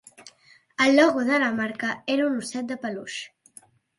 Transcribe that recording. El logo de la marca era un osset de peluix.